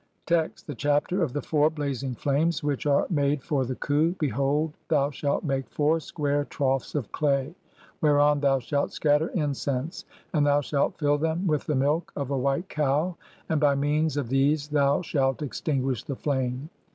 Text: (1) The Chapter of the four blazing flames which ARE MADE FOR THE KHU. Behold, thou shalt make four square troughs of clav, (2) whereon thou shalt scatter incense, and thou shalt fill them with the milk of a white cow, and by means of these thou shalt extinguish the flame.